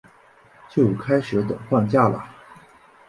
就开始等放假啦